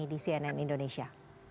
terima kasih anand indonesia